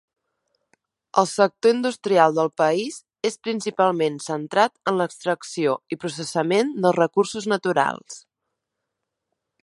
El sector industrial del país és principalment centrat en l'extracció i processament dels recursos naturals.